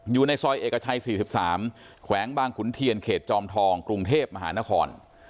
อยู่ในซอยเอกชัย๔๓แขวงบางขุนเทียนเขตจอมทองกรุงเทพมหานคร